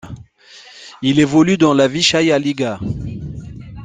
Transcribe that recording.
Il évolue dans la Vyschaïa Liga.